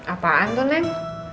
apaan tuh neng